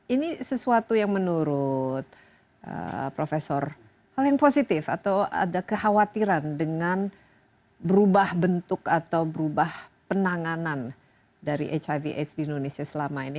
ini sesuatu yang menurut profesor hal yang positif atau ada kekhawatiran dengan berubah bentuk atau berubah penanganan dari hiv aids di indonesia selama ini